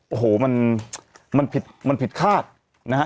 โอ้โหมันผิดมันผิดคาดนะฮะ